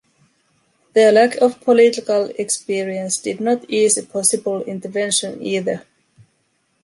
Their lack of political experience did not ease a possible intervention either.